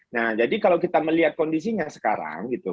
nah jadi kalau kita melihat kondisinya sekarang gitu